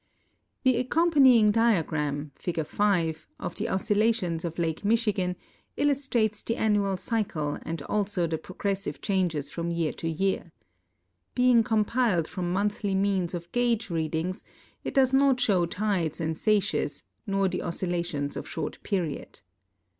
The accompan3'ing diagram (Fig. 5) of the oscillations of Lake Michigan illus trates the annual C3"cle and also the pro gressive changes from 3'ear to 3'ear. Being compiled from monthly means of gage readings, it does not show tides and seiches nor the oscillations of short period.